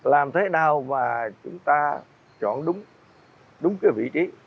làm thế nào mà chúng ta chọn đúng cái vị trí